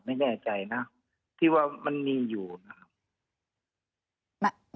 ไม่แน่ใจนะที่ว่ามันมีอยู่นะครับ